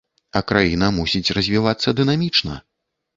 А краіна мусіць развівацца дынамічна.